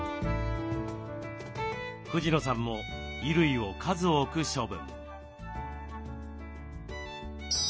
藤野さんも衣類を数多く処分。